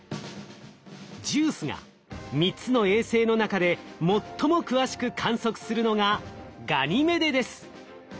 ＪＵＩＣＥが３つの衛星の中で最も詳しく観測するのがガニメデです。